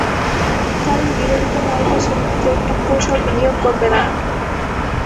কারণ বিবাহিত নায়িকার ছবিতে কেউ, এক পয়সাও বিনিয়োগ করবে না।